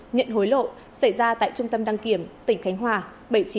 nhận hối lộ xảy ra tại trung tâm đăng kiểm tỉnh khánh hòa bảy nghìn chín trăm linh một s